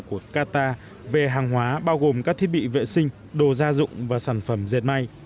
của qatar về hàng hóa bao gồm các thiết bị vệ sinh đồ gia dụng và sản phẩm dệt may